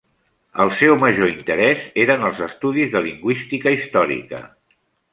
El seu major interès eren els estudis de lingüística històrica.